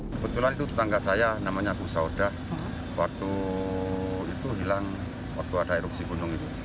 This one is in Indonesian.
kebetulan itu tetangga saya namanya agus saudah waktu itu hilang waktu ada erupsi gunung itu